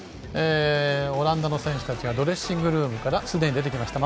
オランダの選手たちがドレッシングルームからすでに出てきました。